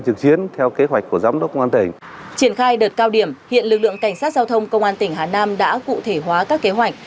triển khai đợt cao điểm hiện lực lượng cảnh sát giao thông công an tỉnh hà nam đã cụ thể hóa các kế hoạch